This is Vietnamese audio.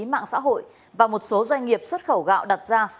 mạng xã hội và một số doanh nghiệp xuất khẩu gạo đặt ra